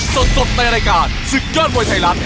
สดในรายการ๑๙มวยไทยรัฐ